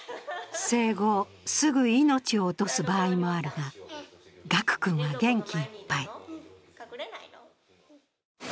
生後すぐ命を落とす場合もあるが、賀久君は元気いっぱい。